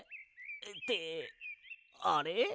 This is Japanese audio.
ってあれ？